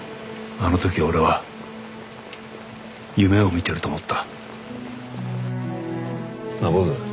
あの時俺は夢を見てると思ったなあ坊主。